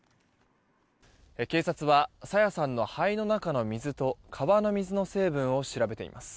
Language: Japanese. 警察は朝芽さんの肺の中の水と川の水の成分を調べています。